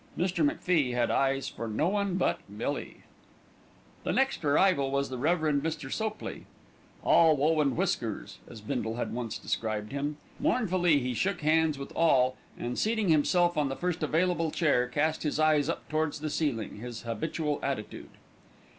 Mr. MacFie had eyes for no one but Millie. The next arrival was the Rev. Mr. Sopley, "all woe and whiskers," as Bindle had once described him. Mournfully he shook hands with all and, seating himself on the first available chair, cast his eyes up towards the ceiling, his habitual attitude.